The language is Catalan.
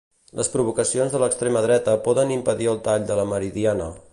Les provocacions de l'extrema dreta poden impedir el tall de la Meridiana.